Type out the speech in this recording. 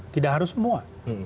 tidak harus semua